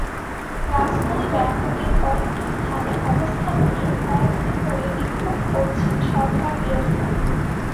রাজধানী ব্যাংককের কয়েকটি স্থানে অবস্থান নিয়ে কয়েক দিন ধরে বিক্ষোভ করছেন সরকারবিরোধীরা।